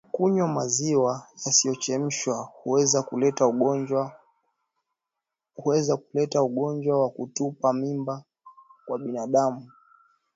Kunywa maziwa yasiyochemshwa huweza kuleta ugonjwa wa kutupa mimba kwa binadamu